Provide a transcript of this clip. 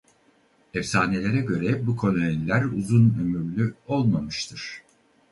Efsanelere göre bu koloniler uzun ömürlü olmamıştır.